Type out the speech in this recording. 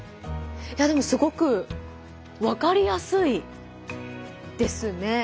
でもすごくわかりやすいですね。